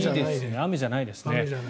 雨じゃないですね。